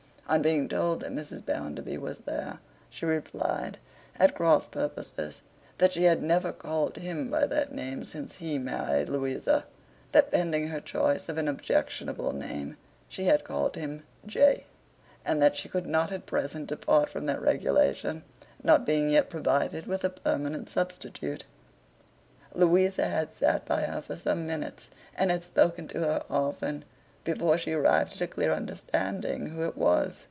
On being told that Mrs. Bounderby was there, she replied, at cross purposes, that she had never called him by that name since he married Louisa; that pending her choice of an objectionable name, she had called him J; and that she could not at present depart from that regulation, not being yet provided with a permanent substitute. Louisa had sat by her for some minutes, and had spoken to her often, before she arrived at a clear understanding who it was.